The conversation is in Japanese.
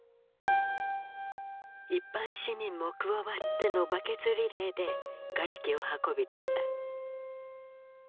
一般市民も加わってのバケツリレーでがれきを運び出した。